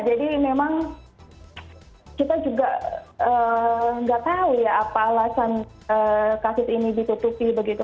jadi memang kita juga tidak tahu ya apa alasan kasus ini ditutupi begitu